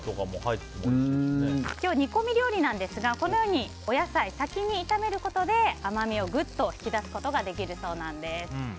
今日、煮込み料理なんですがこのようにお野菜を先に炒めることで甘みをぐっと引き出すことができるそうです。